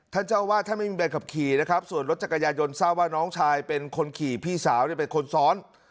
เจ้าวาดท่านไม่มีใบขับขี่นะครับส่วนรถจักรยายนทราบว่าน้องชายเป็นคนขี่พี่สาวเนี่ยเป็นคนซ้อน